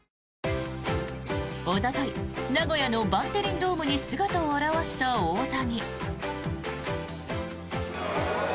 おととい名古屋のバンテリンドームに姿を現した大谷。